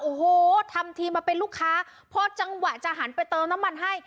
โอ้โหทำทีมาเป็นลูกค้าพอจังหวะจะหันไปเติมน้ำมันให้